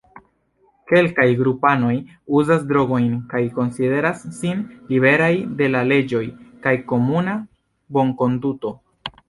Kelkaj grupanoj uzas drogojn kaj konsideras sin liberaj de la leĝoj kaj komuna bonkonduto.